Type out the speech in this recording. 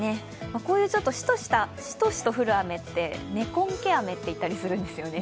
こういうしとしと降る雨ってねこんき雨と言ったりするんですね